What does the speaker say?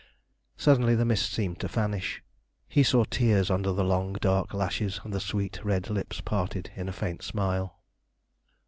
Suddenly the mist seemed to vanish. He saw tears under the long dark lashes, and the sweet red lips parted in a faint smile.